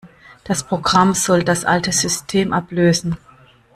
Das Programm soll das alte System ablösen.